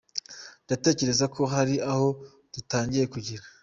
Ndatekereza ko hari aho dutangiye kugera.”